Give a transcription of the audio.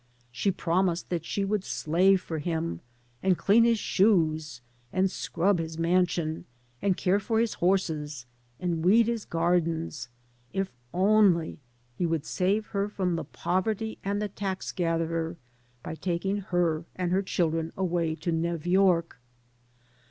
She promised that she would slave for him, and clean his shoes, and scrub his mansion, and care for his horses, and weed his gardens, if only he would save her from the poverty and the tax gatherer by taking her and her children away to Nev York.